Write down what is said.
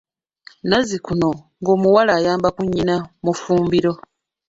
Nazzikuno ng’omuwala ayamba ku nnyina mu ffumbiro.